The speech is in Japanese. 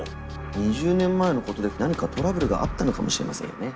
２０年前のことで何かトラブルがあったのかもしれませんよね。